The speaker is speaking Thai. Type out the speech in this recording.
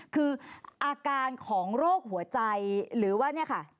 คืออาการของโรคหัวใจหรือว่า